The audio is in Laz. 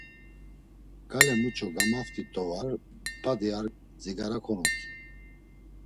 Gale muç̌o gomaft̆it do var, badik ar dzigara konuntzu.